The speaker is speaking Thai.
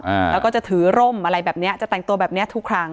อ่าแล้วก็จะถือร่มอะไรแบบเนี้ยจะแต่งตัวแบบเนี้ยทุกครั้ง